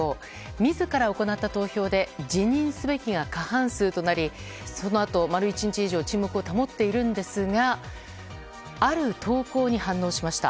自ら行った投票で辞任すべきが過半数となりそのあと丸一日以上沈黙を保っているんですがある投稿に反応しました。